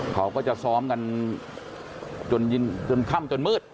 เขาก็จะซ้อมกันจนค่ำจนมืด